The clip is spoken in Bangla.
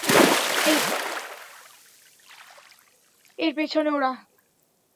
এর পেছনে ওরা!